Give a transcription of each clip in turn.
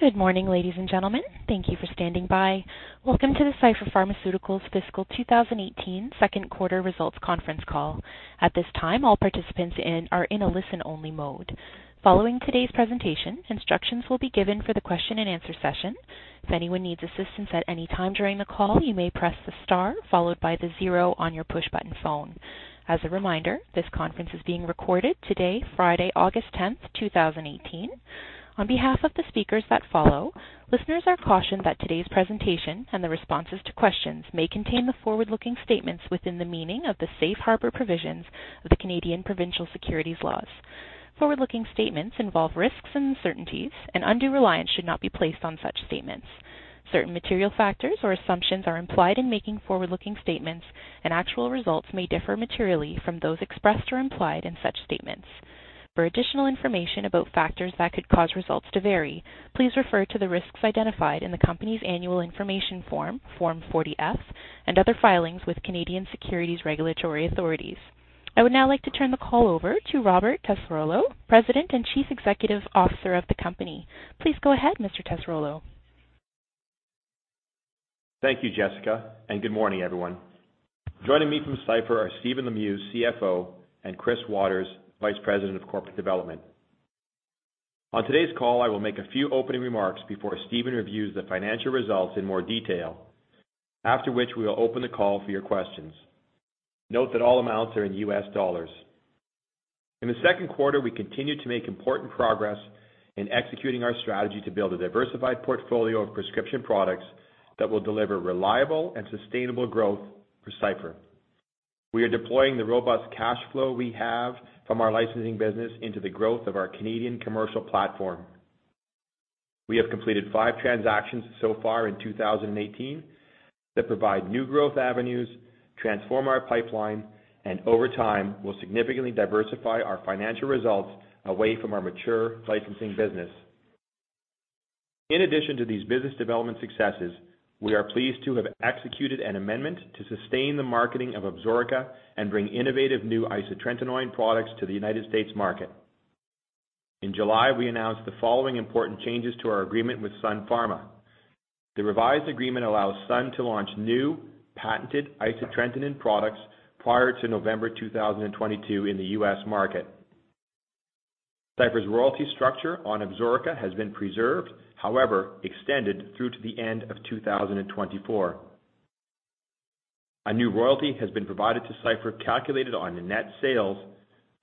Good morning, ladies and gentlemen. Thank you for standing by. Welcome to the Cipher Pharmaceuticals fiscal 2018 second quarter results conference call. At this time, all participants are in a listen-only mode. Following today's presentation, instructions will be given for the question-and-answer session. If anyone needs assistance at any time during the call, you may press the star followed by the zero on your push-button phone. As a reminder, this conference is being recorded today, Friday, August 10th, 2018. On behalf of the speakers that follow, listeners are cautioned that today's presentation and the responses to questions may contain the forward-looking statements within the meaning of the safe harbor provisions of the Canadian provincial securities laws. Forward-looking statements involve risks and uncertainties, and undue reliance should not be placed on such statements. Certain material factors or assumptions are implied in making forward-looking statements, and actual results may differ materially from those expressed or implied in such statements. For additional information about factors that could cause results to vary, please refer to the risks identified in the company's annual information form, Form 40-F, and other filings with Canadian securities regulatory authorities. I would now like to turn the call over to Robert Tessarolo, President and Chief Executive Officer of the company. Please go ahead, Mr. Tessarolo. Thank you, Jessica, and good morning, everyone. Joining me from Cipher are Stephen Lemieux, CFO, and Chris Waters, Vice President of Corporate Development. On today's call, I will make a few opening remarks before Stephen reviews the financial results in more detail, after which we will open the call for your questions. Note that all amounts are in US dollars. In the second quarter, we continue to make important progress in executing our strategy to build a diversified portfolio of prescription products that will deliver reliable and sustainable growth for Cipher. We are deploying the robust cash flow we have from our licensing business into the growth of our Canadian commercial platform. We have completed five transactions so far in 2018 that provide new growth avenues, transform our pipeline, and over time will significantly diversify our financial results away from our mature licensing business. In addition to these business development successes, we are pleased to have executed an amendment to sustain the marketing of Absorica and bring innovative new isotretinoin products to the United States market. In July, we announced the following important changes to our agreement with Sun Pharma. The revised agreement allows Sun to launch new patented isotretinoin products prior to November 2022 in the U.S. market. Cipher's royalty structure on Absorica has been preserved. However, extended through to the end of 2024. A new royalty has been provided to Cipher, calculated on the net sales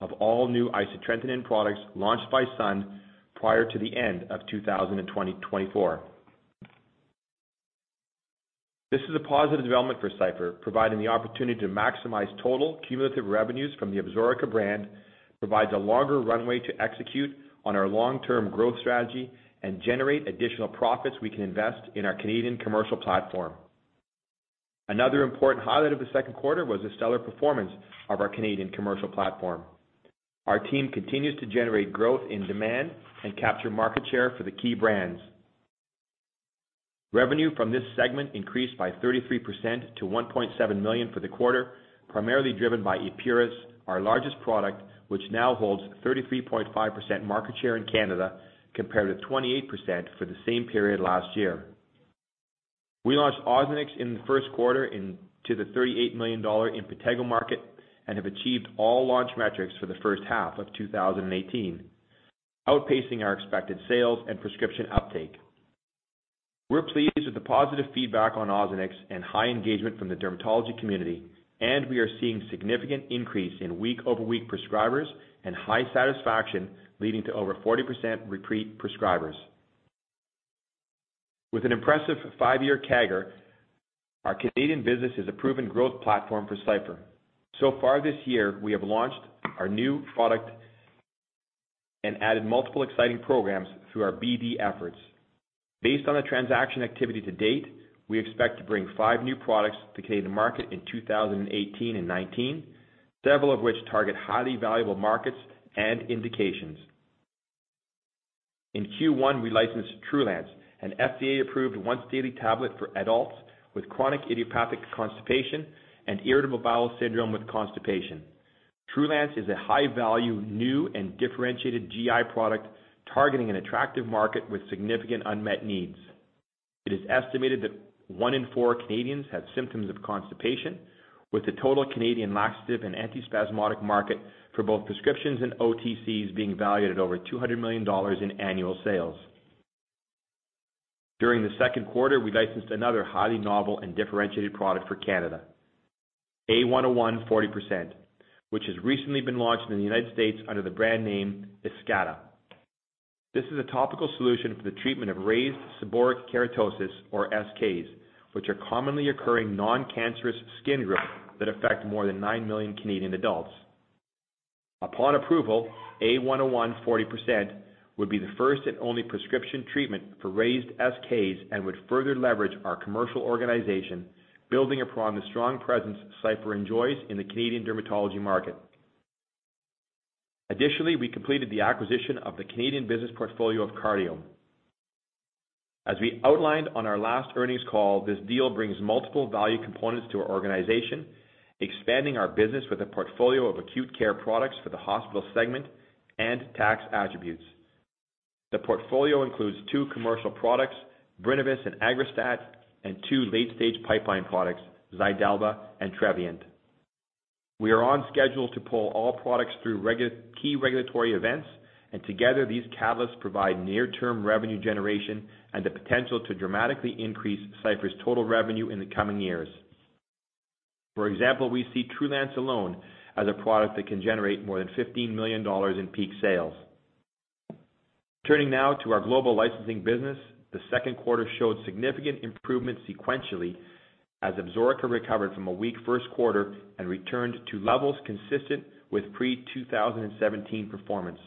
of all new isotretinoin products launched by Sun prior to the end of 2024. This is a positive development for Cipher, providing the opportunity to maximize total cumulative revenues from the Absorica brand, provides a longer runway to execute on our long-term growth strategy, and generate additional profits we can invest in our Canadian commercial platform. Another important highlight of the second quarter was the stellar performance of our Canadian commercial platform. Our team continues to generate growth in demand and capture market share for the key brands. Revenue from this segment increased by 33% to $1.7 million for the quarter, primarily driven by Epuris, our largest product, which now holds 33.5% market share in Canada compared with 28% for the same period last year. We launched Ozanex in the first quarter to the $38 million in impetigo market and have achieved all launch metrics for the first half of 2018, outpacing our expected sales and prescription uptake. We're pleased with the positive feedback on Ozanex and high engagement from the dermatology community, and we are seeing a significant increase in week-over-week prescribers and high satisfaction, leading to over 40% repeat prescribers. With an impressive five-year CAGR, our Canadian business is a proven growth platform for Cipher. So far this year, we have launched our new product and added multiple exciting programs through our BD efforts. Based on the transaction activity to date, we expect to bring five new products to the Canadian market in 2018 and 2019, several of which target highly valuable markets and indications. In Q1, we licensed Trulance, an FDA-approved once-daily tablet for adults with chronic idiopathic constipation and irritable bowel syndrome with constipation. Trulance is a high-value new and differentiated GI product targeting an attractive market with significant unmet needs. It is estimated that one in four Canadians have symptoms of constipation, with the total Canadian laxative and antispasmodic market for both prescriptions and OTCs being valued at over $200 million in annual sales. During the second quarter, we licensed another highly novel and differentiated product for Canada, A-101 40%, which has recently been launched in the United States under the brand name Eskata. This is a topical solution for the treatment of raised seborrheic keratosis, or SKs, which are commonly occurring non-cancerous skin growths that affect more than nine million Canadian adults. Upon approval, A-101 40% would be the first and only prescription treatment for raised SKs and would further leverage our commercial organization, building upon the strong presence Cipher enjoys in the Canadian dermatology market. Additionally, we completed the acquisition of the Canadian business portfolio of Cardiome. As we outlined on our last earnings call, this deal brings multiple value components to our organization, expanding our business with a portfolio of acute care products for the hospital segment and tax attributes. The portfolio includes two commercial products, Brinavess and Aggrastat, and two late-stage pipeline products, Xydalba and Trevyent. We are on schedule to pull all products through key regulatory events, and together these catalysts provide near-term revenue generation and the potential to dramatically increase Cipher's total revenue in the coming years. For example, we see Trulance alone as a product that can generate more than $15 million in peak sales. Turning now to our global licensing business, the second quarter showed significant improvement sequentially as Absorica recovered from a weak first quarter and returned to levels consistent with pre-2017 performance.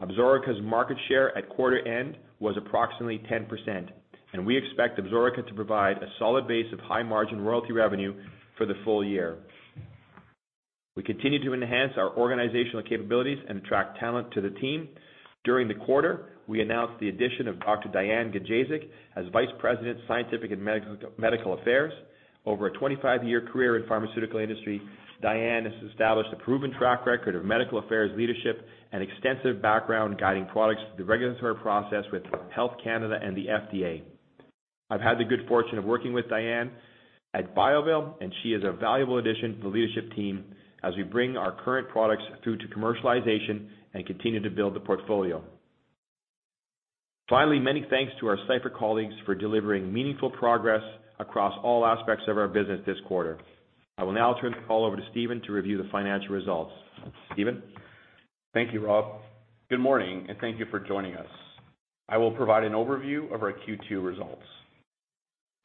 Absorica's market share at quarter end was approximately 10%, and we expect Absorica to provide a solid base of high-margin royalty revenue for the full year. We continue to enhance our organizational capabilities and attract talent to the team. During the quarter, we announced the addition of Dr. Diane Gajewczyk as Vice President of Scientific and Medical Affairs. Over a 25-year career in the pharmaceutical industry, Diane has established a proven track record of medical affairs leadership and extensive background guiding products through the regulatory process with Health Canada and the FDA. I've had the good fortune of working with Diane at Biovail, and she is a valuable addition to the leadership team as we bring our current products through to commercialization and continue to build the portfolio. Finally, many thanks to our Cipher colleagues for delivering meaningful progress across all aspects of our business this quarter. I will now turn the call over to Stephen to review the financial results. Stephen. Thank you, Rob. Good morning, and thank you for joining us. I will provide an overview of our Q2 results.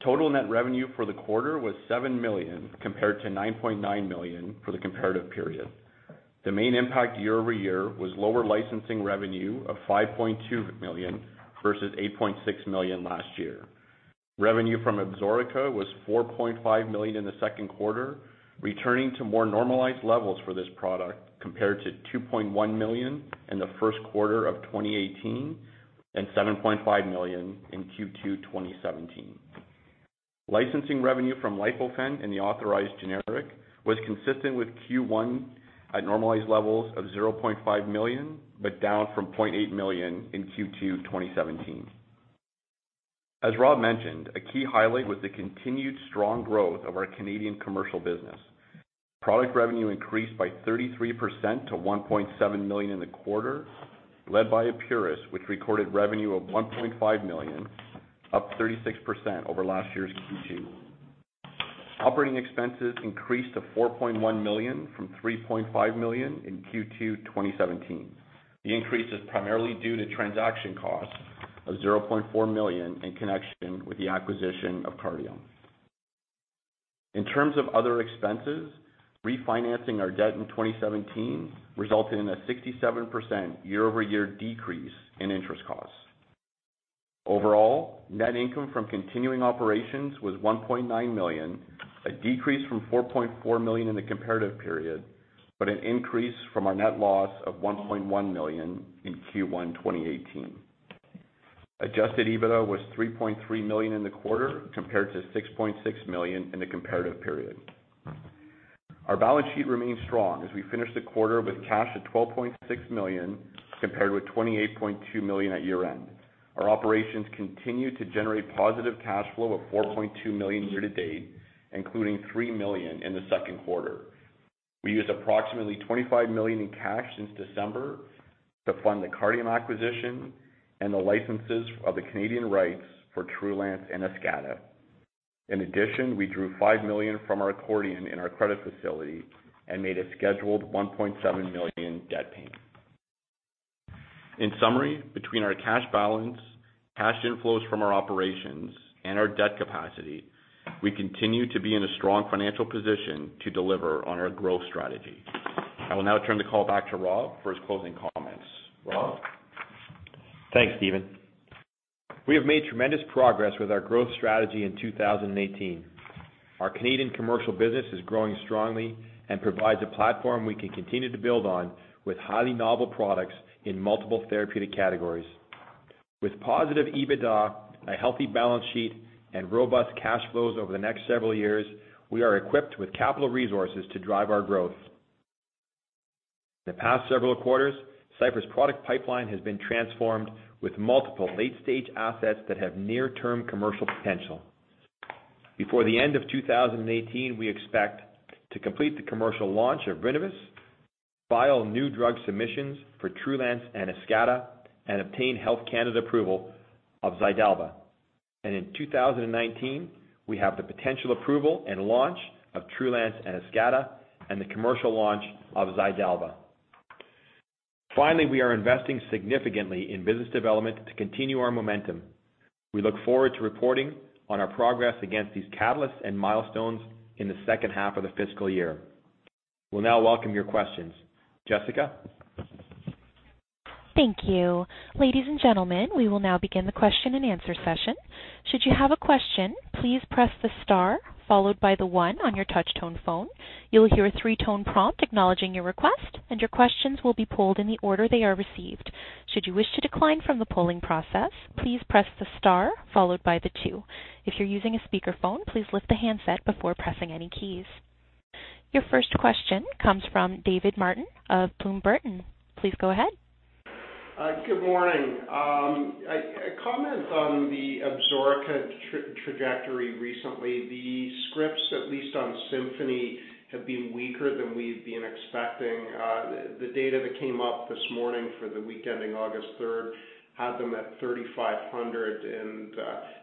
Total net revenue for the quarter was $7 million compared to $9.9 million for the comparative period. The main impact year over year was lower licensing revenue of $5.2 million versus $8.6 million last year. Revenue from Absorica was $4.5 million in the second quarter, returning to more normalized levels for this product compared to $2.1 million in the first quarter of 2018 and $7.5 million in Q2 2017. Licensing revenue from Lipofen and the authorized generic was consistent with Q1 at normalized levels of $0.5 million, but down from $0.8 million in Q2 2017. As Rob mentioned, a key highlight was the continued strong growth of our Canadian commercial business. Product revenue increased by 33% to $1.7 million in the quarter, led by Epuris, which recorded revenue of $1.5 million, up 36% over last year's Q2. Operating expenses increased to $4.1 million from $3.5 million in Q2 2017. The increase is primarily due to transaction costs of $0.4 million in connection with the acquisition of Cardiome. In terms of other expenses, refinancing our debt in 2017 resulted in a 67% year-over-year decrease in interest costs. Overall, net income from continuing operations was $1.9 million, a decrease from $4.4 million in the comparative period, but an increase from our net loss of $1.1 million in Q1 2018. Adjusted EBITDA was $3.3 million in the quarter compared to $6.6 million in the comparative period. Our balance sheet remained strong as we finished the quarter with cash at $12.6 million compared with $28.2 million at year-end. Our operations continue to generate positive cash flow of $4.2 million year-to-date, including $3 million in the second quarter. We used approximately $25 million in cash since December to fund the Cardiome acquisition and the licenses of the Canadian rights for Trulance and Eskata. In addition, we drew $5 million from our accordion in our credit facility and made a scheduled $1.7 million debt payment. In summary, between our cash balance, cash inflows from our operations, and our debt capacity, we continue to be in a strong financial position to deliver on our growth strategy. I will now turn the call back to Rob for his closing comments. Rob? Thanks, Stephen. We have made tremendous progress with our growth strategy in 2018. Our Canadian commercial business is growing strongly and provides a platform we can continue to build on with highly novel products in multiple therapeutic categories. With positive EBITDA, a healthy balance sheet, and robust cash flows over the next several years, we are equipped with capital resources to drive our growth. In the past several quarters, Cipher's product pipeline has been transformed with multiple late-stage assets that have near-term commercial potential. Before the end of 2018, we expect to complete the commercial launch of Brinavess, file new drug submissions for Trulance and Eskata, and obtain Health Canada approval of Xydalba, and in 2019, we have the potential approval and launch of Trulance and Eskata and the commercial launch of Xydalba. Finally, we are investing significantly in business development to continue our momentum. We look forward to reporting on our progress against these catalysts and milestones in the second half of the fiscal year. We'll now welcome your questions. Jessica? Thank you. Ladies and gentlemen, we will now begin the question and answer session. Should you have a question, please press the star followed by the one on your touch-tone phone. You'll hear a three-tone prompt acknowledging your request, and your questions will be pulled in the order they are received. Should you wish to decline from the polling process, please press the star followed by the two. If you're using a speakerphone, please lift the handset before pressing any keys. Your first question comes from David Martin of Bloom Burton. Please go ahead. Good morning. A comment on the Absorica trajectory recently. The scripts, at least on Symphony, have been weaker than we've been expecting. The data that came up this morning for the week ending August 3rd had them at 3,500, and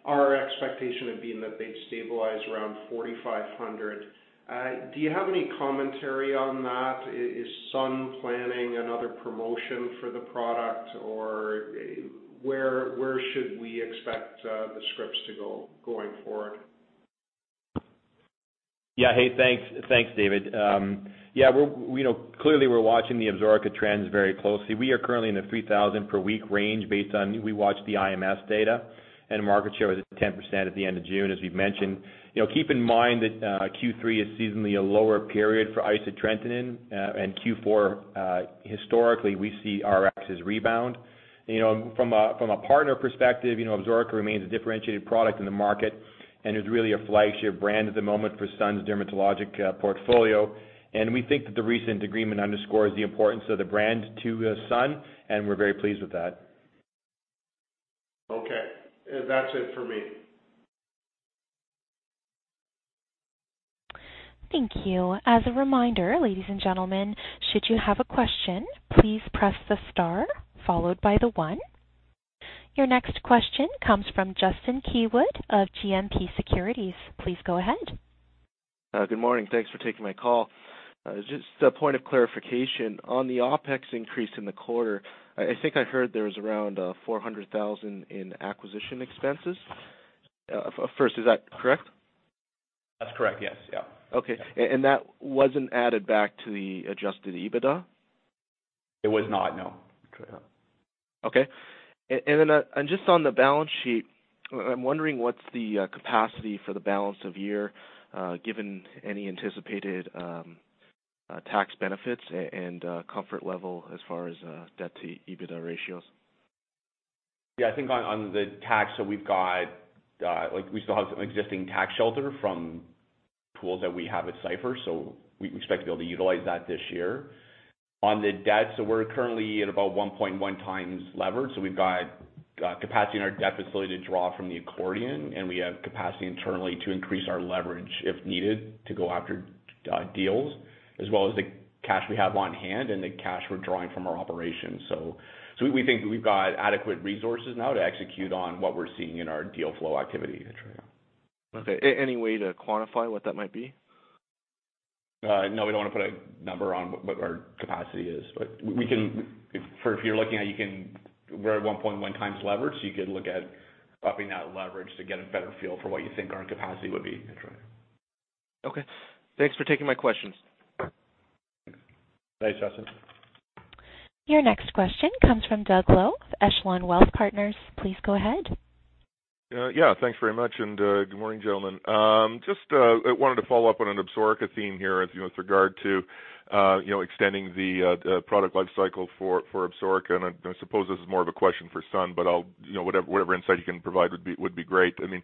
our expectation had been that they'd stabilize around 4,500. Do you have any commentary on that? Is Sun planning another promotion for the product, or where should we expect the scripts to go going forward? Yeah, hey, thanks. Thanks, David. Yeah, clearly we're watching the Absorica trends very closely. We are currently in the 3,000 per week range, based on we watched the IMS data, and market share was at 10% at the end of June, as we've mentioned. Keep in mind that Q3 is seasonally a lower period for isotretinoin, and Q4, historically, we see Rx's rebound. From a partner perspective, Absorica remains a differentiated product in the market and is really a flagship brand at the moment for Sun's dermatologic portfolio. And we think that the recent agreement underscores the importance of the brand to Sun, and we're very pleased with that. Okay. That's it for me. Thank you. As a reminder, ladies and gentlemen, should you have a question, please press the star followed by the one. Your next question comes from Justin Keywood of GMP Securities. Please go ahead. Good morning. Thanks for taking my call. Just a point of clarification. On the OpEx increase in the quarter, I think I heard there was around $400,000 in acquisition expenses. First, is that correct? That's correct, yes. Yeah. Okay. And that wasn't added back to the Adjusted EBITDA? It was not, no. Okay. And then just on the balance sheet, I'm wondering what's the capacity for the balance of year given any anticipated tax benefits and comfort level as far as debt-to-EBITDA ratios? Yeah, I think on the tax, so we still have some existing tax shelter from pools that we have at Cipher, so we expect to be able to utilize that this year. On the debt, so we're currently at about 1.1 times levered, so we've got capacity in our debt facility to draw from the accordion, and we have capacity internally to increase our leverage if needed to go after deals, as well as the cash we have on hand and the cash we're drawing from our operations. So we think we've got adequate resources now to execute on what we're seeing in our deal flow activity. Okay. Any way to quantify what that might be? No, we don't want to put a number on what our capacity is, but we can for if you're looking at you can we're at 1.1 times levered, so you could look at upping that leverage to get a better feel for what you think our capacity would be. Okay. Thanks for taking my questions. Thanks, Justin. Your next question comes from Doug Loe of Echelon Wealth Partners. Please go ahead. Yeah, thanks very much, and good morning, gentlemen. Just wanted to follow up on an Absorica theme here with regard to extending the product life cycle for Absorica, and I suppose this is more of a question for Sun, but whatever insight you can provide would be great. I mean,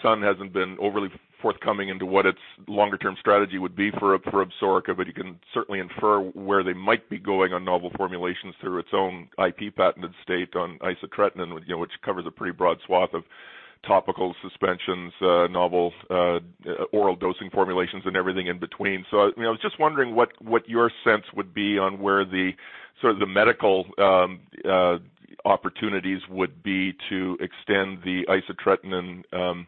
Sun hasn't been overly forthcoming into what its longer-term strategy would be for Absorica, but you can certainly infer where they might be going on novel formulations through its own IP patent estate on isotretinoin, which covers a pretty broad swath of topical suspensions, novel oral dosing formulations, and everything in between. I was just wondering what your sense would be on where the sort of the medical opportunities would be to extend the isotretinoin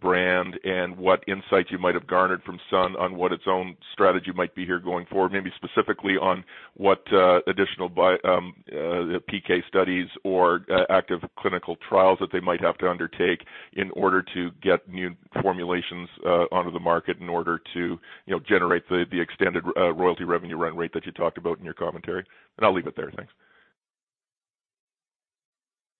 brand and what insights you might have garnered from Sun on what its own strategy might be here going forward, maybe specifically on what additional PK studies or active clinical trials that they might have to undertake in order to get new formulations onto the market in order to generate the extended royalty revenue run rate that you talked about in your commentary? And I'll leave it there. Thanks.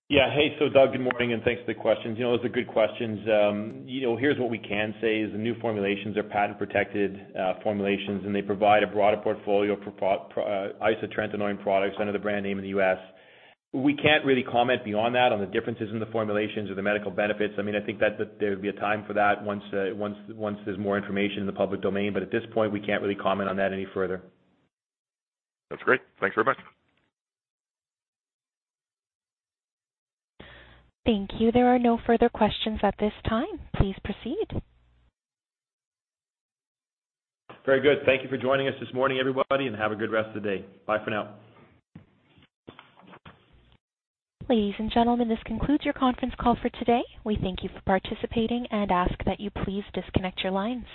Yeah. Hey, so Doug, good morning, and thanks for the questions. Those are good questions. Here's what we can say is the new formulations are patent-protected formulations, and they provide a broader portfolio for isotretinoin products under the brand name in the U.S. We can't really comment beyond that on the differences in the formulations or the medical benefits. I mean, I think that there would be a time for that once there's more information in the public domain, but at this point, we can't really comment on that any further. That's great. Thanks very much. Thank you. There are no further questions at this time. Please proceed. Very good. Thank you for joining us this morning, everybody, and have a good rest of the day. Bye for now. Ladies and gentlemen, this concludes your conference call for today. We thank you for participating and ask that you please disconnect your lines.